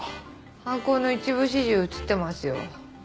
犯行の一部始終映ってますよ。